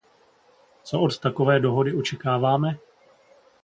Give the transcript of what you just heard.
Co od takové dohody očekáváme?